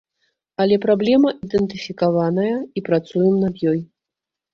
Але праблема ідэнтыфікаваная, і працуем над ёй.